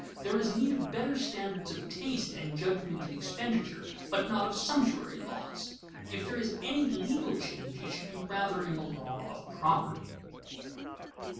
There is need of better standards of taste and judgment in expenditure, but not of sumptuary laws. If there is any legal change, it should be rather in the law of property.